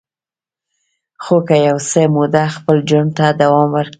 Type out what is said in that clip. خو که یو څه موده خپل جرم ته دوام ورکړي